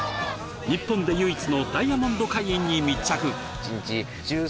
日本で唯一のダイヤモンド会員に密着！